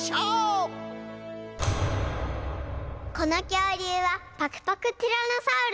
このきょうりゅうはパクパクティラノサウルス。